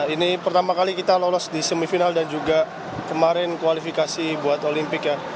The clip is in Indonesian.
ini pertama kali kita lolos di semifinal dan juga kemarin kualifikasi buat olimpik ya